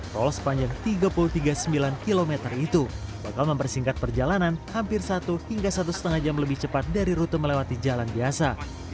tol sepanjang tiga puluh tiga puluh sembilan km itu bakal mempersingkat perjalanan hampir satu hingga satu lima jam lebih cepat dari rute melewati jalan biasa